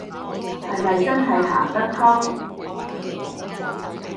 係咪真係行得通